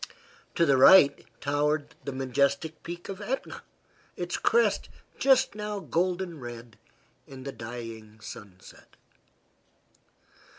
To the right towered the majestic peak of Etna, its crest just now golden red in the dying sunset.